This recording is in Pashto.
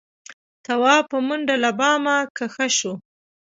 تواب په منډه له بامه کښه شو.